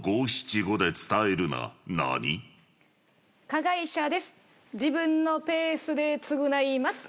加害者です